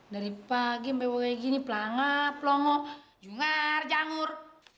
dari pagi sampai pagi kayak gini pelangat pelongo jungar jangur